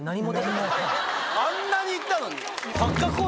あんなに言ったのに？